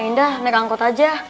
indah naik angkot aja